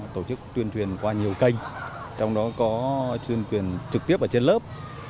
tổ chức truyền truyền qua nhiều kênh trong đó có truyền truyền trực tiếp ở trên lớp